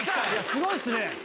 すごいっすね！